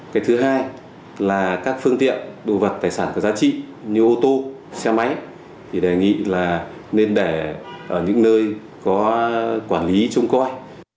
cái thứ hai là các phương tiện đồ vật tài sản có giá trị như ô tô xe máy thì đề nghị là nên để ở những nơi có quản lý trông coi